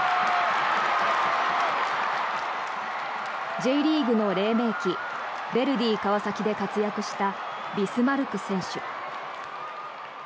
Ｊリーグの黎明期ヴェルディ川崎で活躍したビスマルク選手。